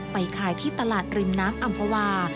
ไปขายที่ตลาดริมน้ำอำภาวา